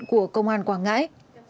của công an quảng ngãi